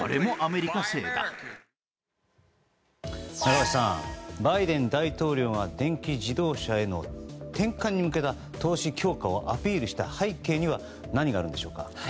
中林さんバイデン大統領が電気自動車への転換に向けた投資強化をアピールした背景には何があるのでしょうか。